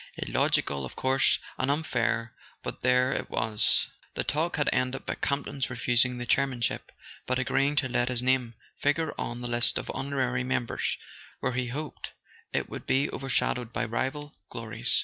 Illogical, of course, and unfair—but there it was. The talk had ended by Campton's refusing the chair¬ manship, but agreeing to let his name figure on the list of honorary members, where he hoped it would be overshadowed by rival glories.